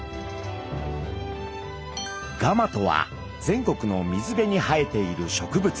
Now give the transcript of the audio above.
蒲とは全国の水辺に生えている植物。